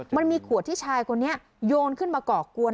มันมีขวดที่ชายคนนี้โยนขึ้นมาก่อกวน